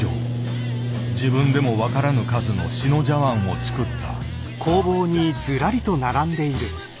自分でも分からぬ数の志野茶碗を作った。